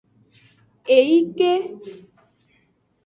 Eyi ke.